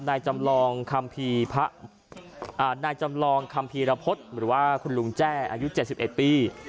นายจำลองคำพีระพศหรือว่าคุณลุงแจ้อายุ๗๑ปี